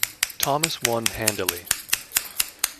Thomas won handily.